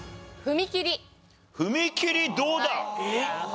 踏切どうだ？えっ？